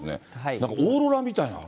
なんかオーロラみたいで。